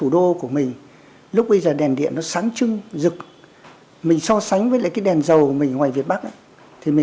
lòng biết ơn đảng và bác hồ kính yêu